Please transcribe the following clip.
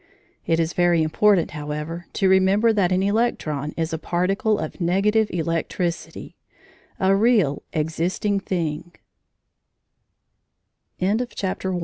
It is very important, however, to remember that an electron is a particle of negative electricity _a real existing thi